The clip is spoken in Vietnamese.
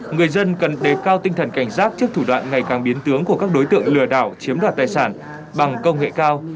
người dân cần đề cao tinh thần cảnh giác trước thủ đoạn ngày càng biến tướng của các đối tượng lừa đảo chiếm đoạt tài sản bằng công nghệ cao